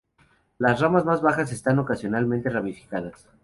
Las ramas más bajas están ocasionalmente ramificadas.